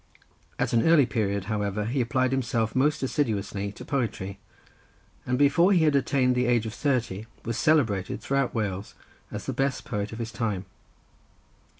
At an early period, however, he applied himself most assiduously to poetry, and before he had attained the age of thirty was celebrated, throughout Wales, as the best poet of his time.